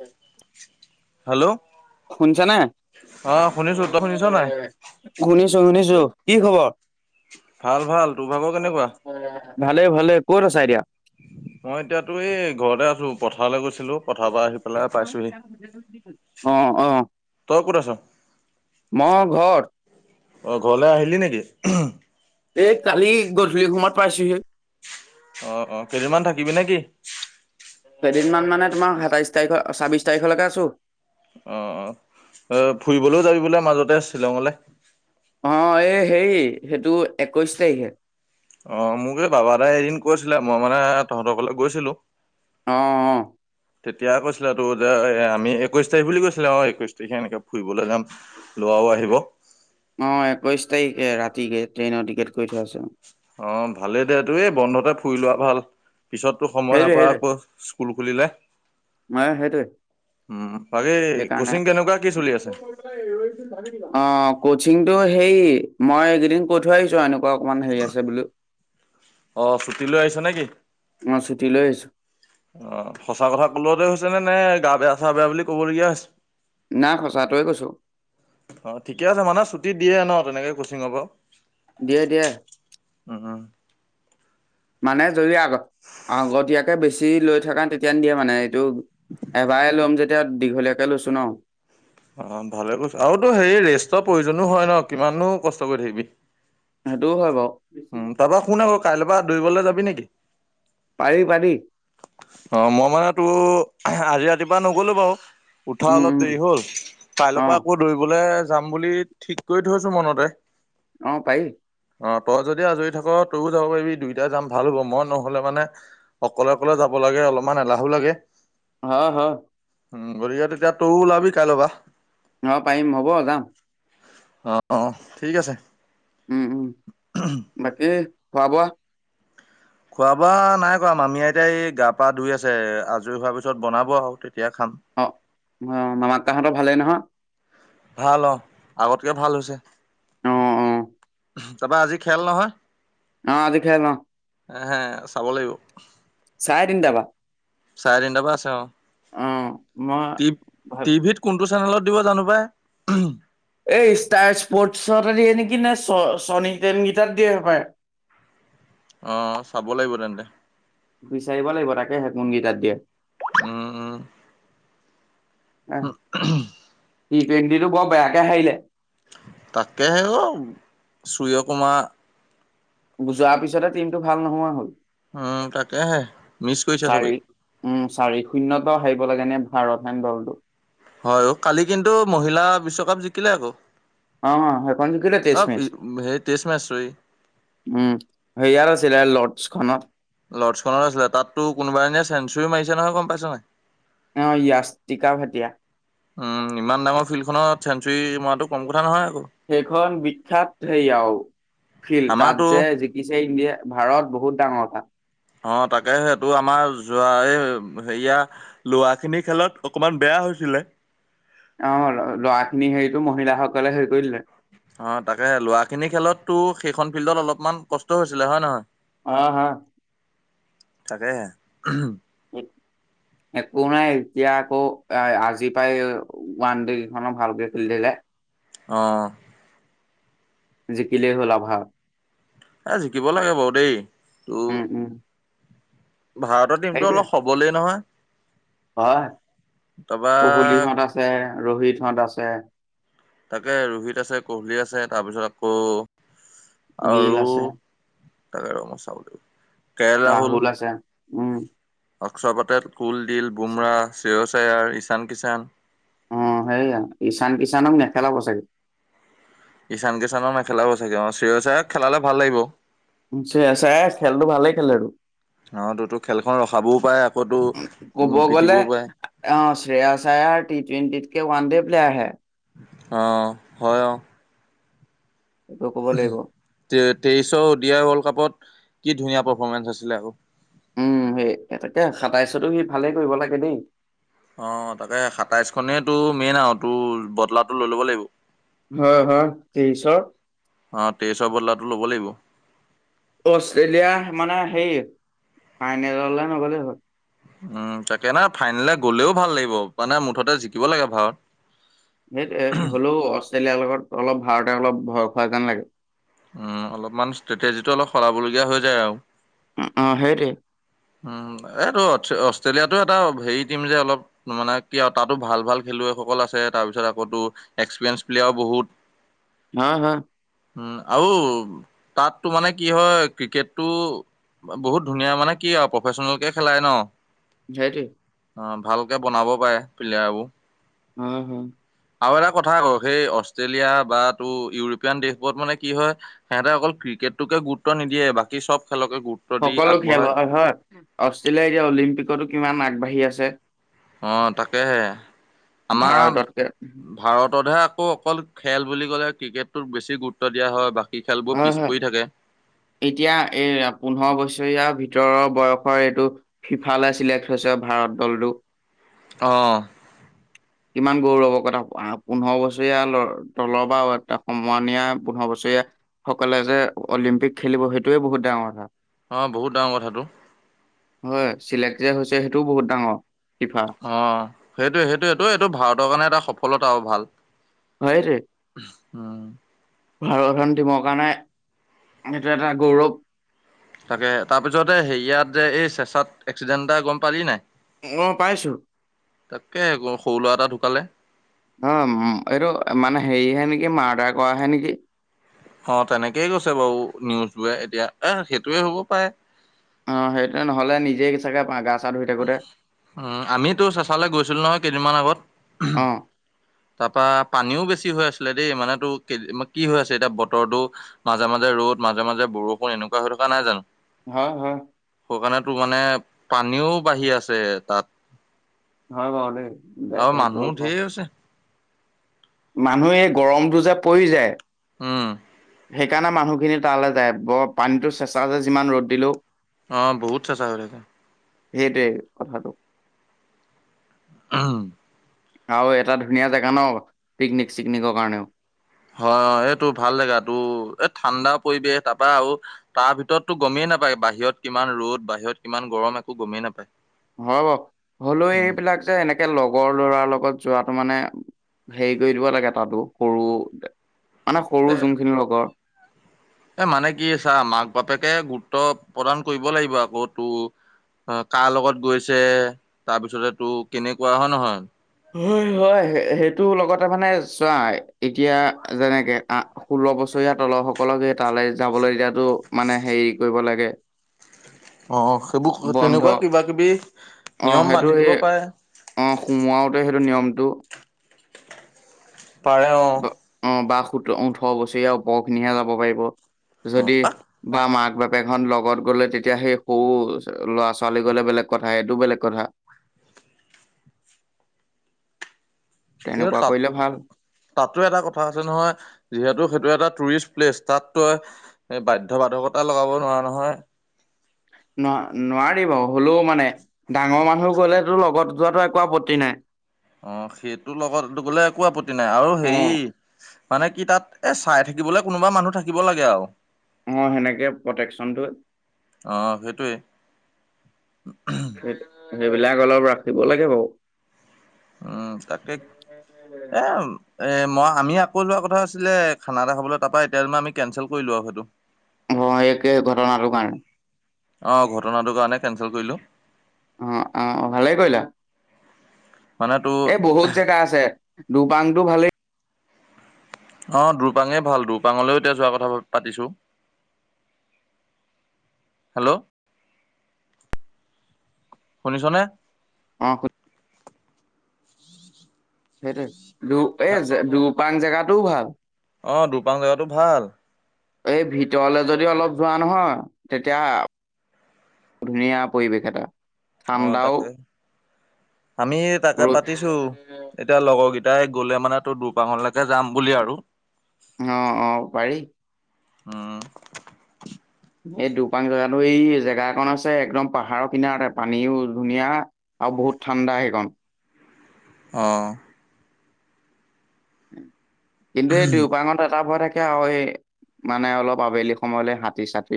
উম। Hello নে? অ, শুনিছো, তই শুনিছ নাই? শুনিছো, শুনিছো কি খবৰ। ভাল, ভাল তোৰ ভাগ কেনেকুৱা। উম ভালে, ভালে ক'ত আছা এতিয়া। মই এতিয়াতো এই ঘৰতে আছো পথাৰলৈ গৈছিলো। পথাৰৰ পৰা আহি পেলাই পাইছোহি অ, আহ। তই ক'ত আছ। মই, ঘৰত। অ, ঘৰলে আহিলি নেকি? এই, কালি গধূলি সময়ত পাইছোহি। অ', অ', কেইদিনমান থাকিবি নে কি? কেইদিনমান মানে তোমাৰ সাতাইছ তাৰিখৰ, ছাব্বিছ তাৰিখলেকে আছো। অ', অ', এ, ফুৰিবলেও যাবি বোলে মাজতে শ্বিলঙলে? অ, এ হেৰি সেইটো একৈছ তাৰিখে। অ, মোক এই বাবা দাই এদিন কৈছিলে মই মানে তহঁতৰ ঘৰলে গৈছিলো। অঁ অ'। তেতিয়া কৈছিলে তো যে আমি একৈশ তাৰিখ বুলি কৈছিলে অ, একৈশ তাৰিখে এনেকে ফুৰিবলৈ যাম। লৱাও আহিব। অ, একৈশ তাৰিখে ৰাতিকে ট্ৰেইনৰ টিকেট কৰি থোৱা আছে। অ, ভালেই দে তো এই বন্ধতে ফুৰি লোৱা ভাল। পিছততো সময় সেইটোৱে নাপায় সেইটোৱে আকৌ স্কুল খুলিলে। মই সেইটোৱে উম, বাকী সেইকাৰণে কোচিং কেনেকুৱা কি চলি আছে? [inaudible] অ, কচিংটো হেৰি মই এইকেইদিন কৈ থৈ আহিছো আও এনেকুৱা অকমান হেৰি আছে বোলো। অ, ছুটী লৈ আহিছ নে কি? অঁ ছুটী লৈ আহিছোঁ। অ, সঁচা কথা কলতে হৈছে নে, নে, গা, বেয়া, চা বেয়া বুলি কবলগীয়া হৈছে? না, সঁচাটোৱে কৈছো। অ, ঠিকে আছে মানে ছুটি দিয়ে ন তেনেকে কচিঙৰ পৰাও? দিয়ে, দিয়ে। উম, উম। মানে যদি আগত, আগতীয়াকে বেছি লৈ থকা তেতিয়া নিদিয়ে মানে। টো এবাৰে লম যেতিয়া দীঘলীয়াকে লৈছো ন। অ, ভালে কৰিছ, আৰু তো হেৰি ৰেষ্টৰ প্ৰয়োজনো হয় ন, কিমানো কষ্ট কৰি থাকিবি। সেইটোও হয় বাও। উম তাৰপৰা শুন আকৌ কাইল পৰা দৌৰিবলে যাবি নেকি? পাৰি পাৰি। অ মই মানে তোৰ আজি ৰাতিপুৱা নগলো বাও। উঠা উম অলপ উম দেৰি হ'ল কাইলৰ অ পৰা আকৌ দৌৰিবলে যাম বুলি ঠিক কৰি থৈছোঁ মনতে। অঁ পাৰি। অ তই যদি আজৰি থাক তইও যাব পাৰিবি দুইটাই যাম ভাল হ'ব, মই নহলে মানে অকলে অকলে যাব লাগে অলপমান এলাহো লাগে। হয় হয়। উম গতিকে তেতিয়া তইও ওলাবি কাইলৰ পৰা। অ, পাৰিম হ'ব যাম। অ', অ', ঠিক আছে। উম, উম। উ। [unintelligible] বাকী খোৱা বোৱা? খোৱা বোৱা নাই কৰা মামি আইতাই এই গা পা ধুই আছে আজৰি হোৱাৰ পিছত বনাব আও। তেতিয়া খাম। অ অ মামা কাহঁতৰ ভালেই নহয়? ভাল অঁ, আগতকে ভাল হৈছে। অ অ তাৰপৰা আজি খেল নহয়। অ', আজি খেল অ'। এহে চাব লাগিব। চাৰে তিনটা পা। চাৰে তিনিটাৰ পৰা আছে মই অ', ভাব টি-টিভিত কোনটো চেনেলত দিব জানো পাই। এই ষ্টাৰ স্পৰ্টচত দিয়ে নেকি নে চনী টেন কিতাত দিয়ে হ'ব পায়। অ', চাব লাগিব তেন্তে। বিচাৰিব লাগিব তাকে হে কোনকেইটাত দিয়ে। উম, উম। আহ টি টুৱেন্টি টো বৰ বেয়াকে হাৰিলে। তাকেহে অ', সূৰ্যকুমাৰ যোৱাৰ পিছতে টিমটো ভাল নোহোৱা হ'ল। উম, তাকেহে মিছ কৰিছে চাৰি চবে। উম, চাৰি শূন্যত হাৰিব লাগে নে ভাৰত হেন দলটো। হয়, অ', কালি কিন্তু মহিলা বিশ্বকাপ জিকিলে আকৌ। অ', সেইখন জিকিলে তেছ অ' মেচ। হেৰি টেষ্ট মেচ চৰি উম, হেৰীয়াত আছিলে লৰ্ডছখনত। লৰ্ডছখনত আছিলে তাততো কোনোব এজনীয়ে চেঞ্চুৰি মাৰিছে নহয় গ'ম পাইছ নাই? অ', য়াষ্টিকা ভটিয়া। উম, ইমান ডাঙৰ ফিল্ডখনত চেঞ্চুৰী মৰাটো কম কথা নহয় আকৌ। সেইখন বিখ্যাত হেৰি আৰু ফিল্ড তাত আমাৰতো যে [unintelligible] ইণ্ডিয়া ভাৰত বহুত ডাঙৰ কথা। অ', তাকে সেইটো আমাৰ যোৱা এই হেৰিয়া লৰা খিনি খেলত অকমান বেয়া হৈছিলে। অ', ল'ৰা খিনি হেৰিতটো মহিলাসকলে হেৰি কৰি দিলে। অ', তাকে লৰা খিনি খেলতো সেইখন ফিল্ডত অলপমান কষ্ট হৈছিলে হয়, নে নহয়? অ', হ। তাকেহে। একো নাই এতিয়া আকৌ আজি পাই ওৱান ডে কেইখনো ভালকে খেলি দিলে। অ'। জিকিলেই হ'ল আৰু ভাৰত। এ জিকিব লাগে বাৰু দেই তোৰ উম উম ভাৰতৰ টিমটো সেইটোৱে অলপ সবলেই নহয়। হয়, তাৰপা কুহলিহঁত আছে, ৰোহিতহঁত আছে। তাকে ৰোহিত আছে, কোহলি আছে, তাৰপিছত আকৌ গিল আৰু আছে তাকে ৰ' মই চাব লাগিব। কে ৰাহুল আছে। উম অস্কৰ পেটেল, কুলদ্বীপ, বুমৰা, শ্ৰেয়াচ আয়াৰ, ঈশান কিষাণ। অ', সেয়া ঈশান কিষাণক নেখেলাব চাগে। ঈশান কিষানক নেখেলাাব চাগে অ', চ্ৰয়চ আইয়াৰক খেলালে ভাল লাগিব। শ্ৰেয়াছ আয়াৰ খেলটো ভালে খেলেটো। অহ, টো খেলখন ৰখাবও পাৰে, ক'ব আকৌটো গ'লে পিটিবও পাৰে। অ', শ্ৰেয়াছ আয়াৰ টি টুৱেণ্টিকে ওৱান ডে প্লেয়াৰ হে। অ' হয় অঁ। সেটো ক'ব লাগিব। তে-তেইচৱ অডিয়া ৱৰ্ল্ড কাপত, কি ধুনীয়া পাৰফৰ্মেন্ঞ্চ আছিলে আও। উম, সেই তাকে সাতাইশটো সি ভালেই কৰিব লাগে দেই। অ, তাকে সাতাইশখনেইটো মেইন আঔ, তোৰ বটলাটো লৈ ল'ব লাগিব। হয় হয়, তেইছৰ। অ, তেইছৰ বদলাটো ল'ব লাগিব। অষ্ট্ৰেলিয়া মানে সেই, ফাইনেললে নগলে হল। উম, তাকে নহ ফাইনেলে গ'লেও ভাল লাগিব, মানে মুঠতে জিকিব লাগে ভাৰত। সেইটোৱে, হলো'ও অষ্ট্ৰেলিয়াৰ লগত অলপ ভাৰতে অলপ ভয় খোৱা যেন লাগে। উম, অলপমান ষ্ট্ৰেটেজিটো অলপ সলাবলগীয়া হৈ যায় আৰু। ওম উম' সেইটোৱে। উম, এইটো অষ্ট্ৰেলিয়াটো এটা হেৰি টিম যে অলপ মানে কি আঔ তাতো ভাল- ভাল খেলুৱৈসকল আছে তাৰ পিছত অকৌটো এক্সপেৰিয়েন্ঞ্চ প্লেয়াও বহুত। হা হা। উম, আউ তাতটো মানে কি হয়, ক্ৰিকেটটো বহুত ধুনীয়া মানে কি আঔ প্ৰফেচনেলকে খেলাই ন। ঝাইটি। অ, ভালকে বনাব পায়ে, প্লেয়াৰবো। উম' হু। আৰু এটা কথা আকৌ সেই অষ্ট্ৰেলিয়া বা তু ইউৰোপীয়ান দেশবোৰত মানে কি হয়- হেতে অকল ক্ৰিকেটটোকে গুৰুত্ব নিদিয়ে বাকী চব খেলকে গুৰুত সকলো খেল হয়-হয়, অষ্ট্ৰেলিয়া এতিয়া অলিম্পিকটো কিমান আগবাঢ়ি আছে। অঁ তাকেহে, আমা- ভাৰততকে। ভাৰততহে আকৌ অকল খেল বুলি ক'লে ক্ৰিকেটটোত বেছি গুৰুত্ব দিয়া হয় বা কি খেলবো হয়, পিছ হয়, পৰি থাকে। এতিয়া এই পোন্ধৱ বছৰীয়া ভিতৰৰ বয়সৰ এইটো ফিফালে চিলেক্ট হৈছে ভাৰত দলটো। অঁ। [inaudible] কিমান গৌৰৱ কথা! পোন্ধৱ বছৰীয়া তলৰ বা সমনীয়া পোন্ধৱ বছৰীয়া সকলে যে অলিম্পিক খেলিব সেইটোয়ে বহুত ডাঙৰ কথা! অ, বহুত ডাঙৰ কথাটো। হয়, চিলেক্ট যে হৈছে সেইটোও বহুত ডাঙৰ, ফিফা। অ' সেইটোৱে-সেইটোৱেটো এইটো ভাৰতৰ কাৰণে এটা সফলতা আৰু ভাল। হয় সেটোৱে। উম'। ভাৰত-হন টিমৰ কাৰণে, এইটো এটা গৌৰৱ! তাকে, তাৰপিছতে হেয়িয়াত যে এই চেচাত এক্সিডেণ্ট এটা গম পালি নাই? অঁ পাইছোঁ। তাক'কে, সৰু ল'ৰা এটা ঢুকালে। অঁ, এইটো মানে হেৰিহে নেকি মাৰ্ডাৰ কৰাহে নেকি? অঁ তেনেকেই কৈছে বাৰু নিউজ বোৰে এতিয়া, এ সেইটোয়ে হ'ব পায়ে। অ সেইটো নহলে নিজে চাগে পা গাছ উ আমিতো চেচা লে গৈছিলো নহয় কেইদিনমান আগত। অ। তা পা পানীও বেছি হৈ আছিলে দেই মানে কি হৈ আছে এতিয়া বতৰটো মাজে মাজে ৰ'দ, মাজে মাজে বৰষুণ এনেকুৱা হৈ থকা নাই জানো? হয় হয়। সোকানে টোকানে পানীও বাঢ়ি আছে তাত হয় বাৰু দেই, দে- আও সেইটো মানুহ ঢেৰ হৈছে। মানুহে গৰমটো যে পৰি যায়। উম। সেইকাৰণে মানুহখিনি তালে যায় ব পানীটো চেঁচা যে যিমান ৰ'দ দিলৌ। অ বহুত চেঁচা হৈ থাকে। সেইটোৱে কথাটো। উম। আও এটা ধুনীয়া জেগা ন পিকনিক চিকনিকৰ কাৰণেও। হয় অ এইটো ভাল জেগাটো এই ঠাণ্ডা পৰিৱেশ তা পা আও তাৰ ভিতৰতো গমেই নাপায় বাহিৰত কিমান ৰ'দ বাহিৰত কিমান গৰম একো গমেই নাপায়। হয় বাও হলেও এইবিলাক যে এনেক- একে লগৰ ল'ৰাৰ লগত যোৱাটো মানে হেৰি কৰি দিব লাগে তাতো সৰু মানে এ সৰু যোনখিনি লগৰ এ মানে কি ছা মাক বাপেকে গুৰুত্ব প্ৰদান কৰিব লাগিব আকৌ তো- অ কাৰ লগত গৈছে তাৰ পিছতেটো কেনেকুৱা হয় নহয়? হয় হয় সেইটো লগতে মানে চোৱা এতিয়া যেনেকে আ- ষোল্ল বছৰীয়া তলসকলক সে তালে যাবলে দিয়াটো মানে হেৰি কৰিব লাগে। অ সেইবোৰ বন্ধ তেনেকুৱা কিবা কিবি অ নিয়ম সেইটো বান্ধি দিব সেই পাৰে। অ সোমোৱাওতে সেইটো নিয়মটো পাৰে অ। বা অ বা সোত ওঠৰ বছৰীয়া ওপৰ খিনিহে যাব পাৰিব। যদি অ বা মাক বাপেকহন লগত গ'লে তেতিয়া সেই সৰু ল'ৰা-ছোৱালী গলে বেলেগ কথা এইটো বেলেগ কথা। কিনো তেনেকুৱা তাত কৰিলে ভাল তাতো এটা কথা আছে নহয় যিহেতু সেইটো এটা টুৰিষ্ট প্লেচ তাত তই এ বাধ্য বাধকতা লগাব নোৱাৰা নহয়। ন নোৱাৰি বাও হ'লো মানে ডাঙৰ মানুহ গলেটো লগত যোৱাটো একো আপত্ত- ত্তি নাই। অ সেইটোৰ লগত গ'লে একো আপত্তি নাই আৰু সেই অ মানে কি তাত এ চাই থাকিবলৈ কোনোবা মানুহ থাকিব লাগে আও। অ সেনেকে প্ৰটেকশ্যনটো অ সেইটোৱে। সে সেইবিলাক অলপ ৰাখিব লাগে বাও। উম তাকে [unintelligible] এ মই আমি আকৌ লোৱা কথা আছিলে খানা এটা খাবলে তা পা এতিয়াল মা আমি কেনচেল কৰিলো আৰু সেইটো। অ একে ঘটনাটোৰ কাৰণে। অ ঘটনাটোৰ কাৰণে কেনচেল কৰিলো। অ অ ভালে কৰিলা। মানে তোৰ এই বহুত জেগা আছে দুপাংতটো ভালে। অ দুৰপাঙে ভাল দুপাঙলৈও এতিয়া যোৱা কথা পাতিছো হেল্ল' শুনিছ নে অ শু সেইটোৱে দু এই দুপাং জেগাটোও ভাল অ দুপাং জেগাটো ভাল এই ভিতৰলে যদি অলপ যোৱা নহয় তেতিয়া ধুনীয়া পৰিৱেশ এটা অ ঠাণ্ডাও তাকে আমি তাকে ৰ'দ পাতিছো এতিয়া লগৰ কেইটাই গ'লে মানে তোৰ দুৰপাঙলৈকে যাম বুলি আৰু অ অ পাৰি উম এই দুপাং জেগাটো এই জেগা একন আছে একদম পাহাৰৰ কিনাৰতে পানীও ধুনীয়া আও বহুত ঠাণ্ডা সেইকন অ কিন্তু এই দেউপাঙত এটা ভয় থা কে আও এ মানে অলপ আবেলি সময়লে হাতী চতি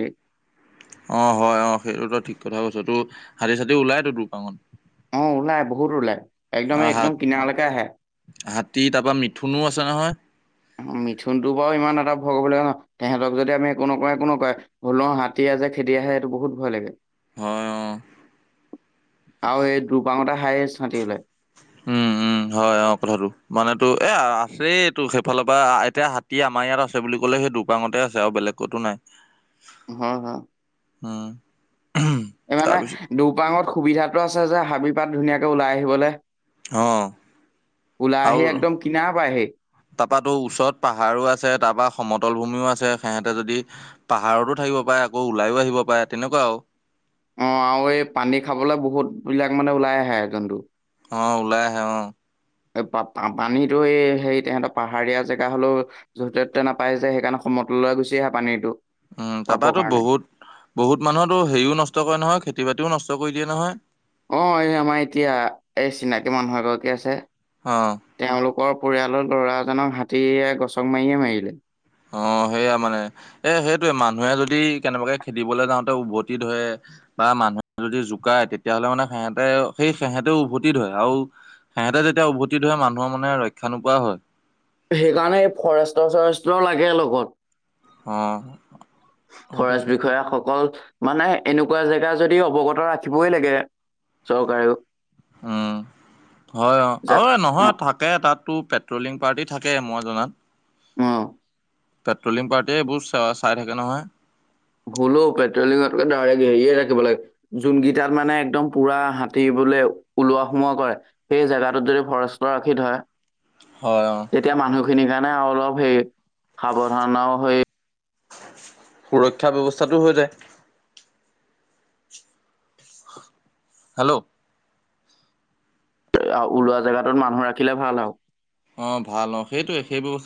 অ হয় অ সেইটো তই ঠিক কথা কৈছ তো হাতী চাতি ওলাই তো দুপাঙত অ ওলাই বহুত ওলাই আহ একদমেই হাত একদম কিনাৰলৈকে আহে হাতী তাপা মিথুনো আছে নহয় অ মিথুনটো বাও ইমান এটা ভয় কৰিব লগিয়া ন তেহেতক যদি আমি একো নকওঁ একো নকয় হ'লেও হাতী আছে খেদি আহে সেইটো বহুত ভয় লাগে হয় অ আৰু এই দু্বাঙতে হাইছ হাতি ওলাই উম [inaudible] উম হয় অ কথাটো মান তো এ আছেই টো সেইফালৰ পৰা এতিয়া হাতী আমাৰ ইয়াত আছে বুলি ক'লে সেইটো পাঙতে আছে আৰু বেলেগ কতো নাই হয় হয় উম এই মানে তাৰপিছত দুপাঙত সুবিধাটো আছে যে হাবি পাত ধুনীয়াকে ওলাই আহিবলে অ ওলাই আহি একদম কিনা পায়হি তাপাতো ওচৰত পাহাৰো আছে তাপা সমতলভূমিও আছে সেহেতে যদি পাহাৰতো থাকিব পাৰে আকৌ ওলাই আহিব পাৰে তেনেকুৱা আও অ আও এই পানী খাবলে বহুত বিলাক মানে ওলাই আহে জন্তু অ ওলাই আহে অ এই পা পানীটো এই হেৰি তেহেঁতৰ পাহাৰীয়া জেগা হলো যতে ততে নাপাই যে সেইকাৰণে সমতললে গুচি আহে পানীটো উম পাবৰ তাপাতো কাৰণে বহুত বহুত মানুহতো হেৰিও নষ্ট কৰে নহয় খেতি বাতিও নষ্ট কৰি দিয়ে নহয় অ এই আমাৰ এতিয়া এই চিনাকী মানুহ এগৰাকী আছে অ তেওঁলোকৰ পৰিয়ালৰ ল'ৰা এজনক হাতীয়ে গছক মাৰিয়ে মাৰিলে অ সেইয়া মানে এ সেইটোৱে মানুহে যদি কেনেবাকে খেদিবলে যাওঁতে উভতি ধৰে বা মানুহে যদি জোকাই তেতিয়াহ'লে মানে সেহেঁতেও সেই সেহেঁতেও উভতি ধৰে আও সিহঁতে যেতিয়া উভতি ধৰে মানুহৰ মানে ৰক্ষা নোপোৱা হয় সেইকাৰণে এই ফৰেষ্টৰ চৰেষ্টৰ লাগে লগত অ সেইটোৱে ফৰেষ্ট বিষয়াসকল মানে, এনেকুৱা জেগা যদি অৱগত ৰাখিবই লাগে চৰকাৰেও। উম হয় অঁ, যা আৰু এই নহয়, অঁ থাকে তাত। টো' পেট্ৰলিং পাৰ্টি থাকে মই জনাত। অঁ। পেট্ৰলিং পাৰ্টিয়ে এইবোৰ চাই থাকে নহয়। ভুলো, পেট্ৰলিঙতকে ডাইৰেক্ট হেৰিয়ে থাকিব লাগে। যোনকিটাত মানে একদম পুৰা হাতী বোলে ওলোৱা-সোমোৱা কৰে। সেই জেগাটোত যদি ফৰেষ্টৰ ৰাখি থয়। হয়, অঁ। তেতিয়া মানুহখিনিৰ কাৰণে আৰু অলপ হে সাৱধানৰো সেই সুৰক্ষা ব্যৱস্থাটোও হৈ যায়। হেল্ল' ওলোৱা জেগাটোত মানুহ ৰাখিলে ভাল আও। অ', ভাল অ', সেইটোয়ে সেই ব্যৱস্থাত